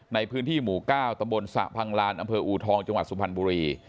ในพื้นที่หมู่ก้าวตศพังลานออูทองจสุพรรณบุรี